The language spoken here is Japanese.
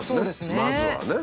まずはね。